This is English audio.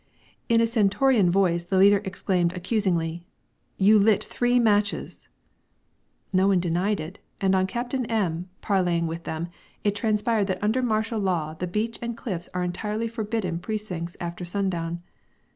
In a stentorian voice the leader exclaimed accusingly: "You lit three matches." No one denied it, and on Captain M parleying with them, it transpired that under martial law the beach and cliffs are entirely forbidden precincts after sundown.